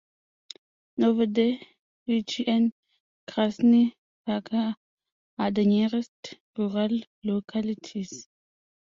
Novodevichy and Krasny Pakhar are the nearest rural localities.